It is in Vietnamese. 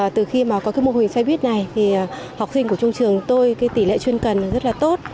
từ khi có mô hình xe buýt này học sinh của trung trường tôi tỷ lệ chuyên cần rất tốt